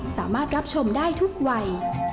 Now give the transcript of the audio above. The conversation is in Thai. สามารถรับชมได้ทุกวัย